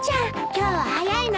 今日は早いのね。